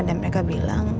dan mereka bilang